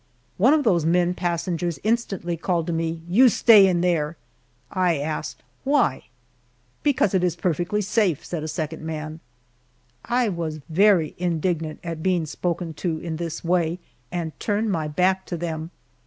One of those men passengers instantly called to me, "You stay in there!" I asked, "Why?" "Because it is perfectly safe," said a second man. I was very indignant at being spoken to in this way and turned my back to them.